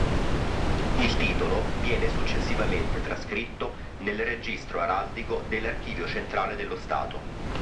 Il titolo viene successivamente trascritto nel Registro Araldico dell'Archivio Centrale dello Stato.